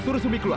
suruh sumi keluar